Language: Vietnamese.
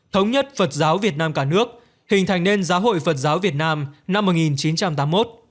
thống nhất phật giáo việt nam cả nước hình thành nên giáo hội phật giáo việt nam năm một nghìn chín trăm tám mươi một